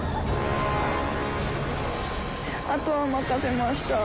あとは任せました